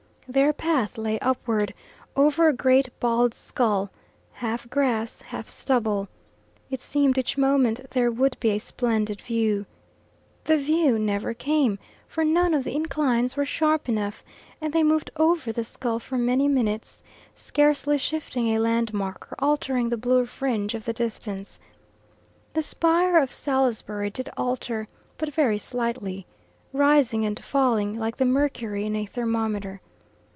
Their path lay upward, over a great bald skull, half grass, half stubble. It seemed each moment there would be a splendid view. The view never came, for none of the inclines were sharp enough, and they moved over the skull for many minutes, scarcely shifting a landmark or altering the blue fringe of the distance. The spire of Salisbury did alter, but very slightly, rising and falling like the mercury in a thermometer.